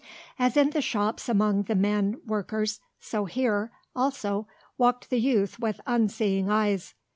As in the shops among the men workers, so here, also, walked the youth with unseeing eyes.